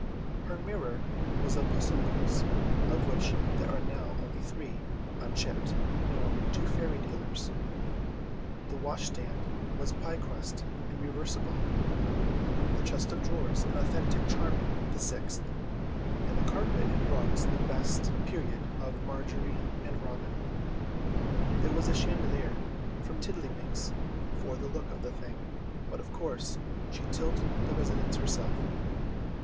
Her mirror was a Puss in Boots, of which there are now only three, unchipped, known to fairy dealers; the washstand was Pie crust and reversible, the chest of drawers an authentic Charming the Sixth, and the carpet and rugs the best (the early) period of Margery and Robin. There was a chandelier from Tiddlywinks for the look of the thing, but of course she lit the residence herself.